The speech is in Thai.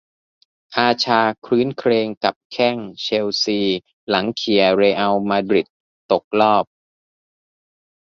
อาซาร์ ครื้นเครงกับแข้ง เชลซี หลังเขี่ย เรอัล มาดริด ตกรอบ